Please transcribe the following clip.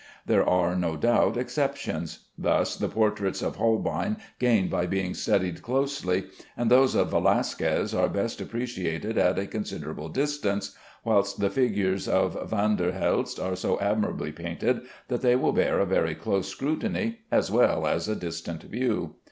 There are, no doubt, exceptions. Thus the portraits of Holbein gain by being studied closely, and those of Velasquez are best appreciated at a considerable distance, whilst the figures of Van der Helst are so admirably painted that they will bear a very close scrutiny as well as a distant view.